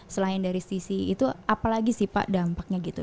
selain dari sisi itu apalagi sih pak dampaknya gitu